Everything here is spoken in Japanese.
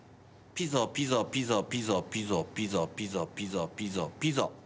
ピザピザピザピザピザピザピザピザピザピザ。